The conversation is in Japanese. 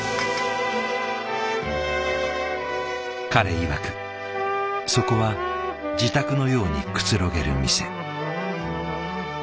彼いわくそこは自宅のようにくつろげる店。